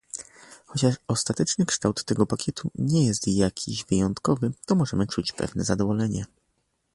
Chociaż ostateczny kształt tego pakietu nie jest jakiś wyjątkowy, to możemy czuć pewne zadowolenie